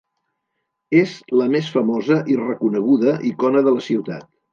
És la més famosa i reconeguda icona de la ciutat.